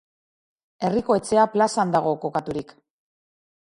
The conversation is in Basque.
Herriko Etxea plazan dago kokaturik.